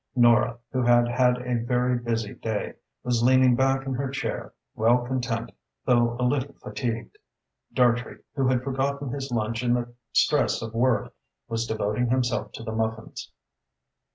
Nora, who had had a very busy day, was leaning back in her chair, well content though a little fatigued. Dartrey, who had forgotten his lunch in the stress of work, was devoting himself to the muffins.